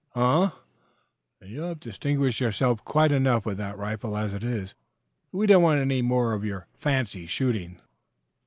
"Huh!" "You have distinguished yourself quite enough with that rifle as it is. We don't want any more of your fancy shooting."